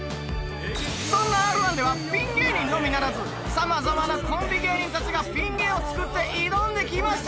そんなＲ−１ではピン芸人のみならずさまざまなコンビ芸人たちがピン芸を作って挑んできました。